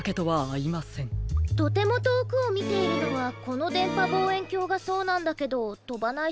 とてもとおくをみているのはこのでんぱぼうえんきょうがそうなんだけどとばないし。